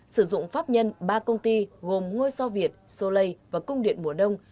sử dụng pháp nhân ba công ty gồm ngôi so việt soleil và cung điện mùa đông